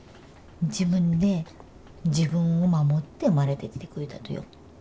自分で自分を守って生まれてきてくれたとよ